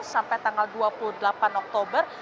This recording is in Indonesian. sampai tanggal dua puluh delapan oktober